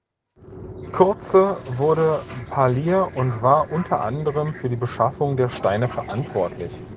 Kurtze wurde Parlier und war unter anderem für die Beschaffung der Steine verantwortlich.